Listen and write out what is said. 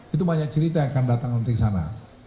itu banyak cerita yang akan datang nanti ke sana